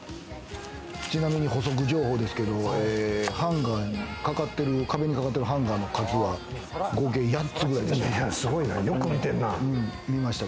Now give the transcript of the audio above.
ちなみに補足情報ですけど、壁にかかってるハンガーの数は合計８つくらいでした。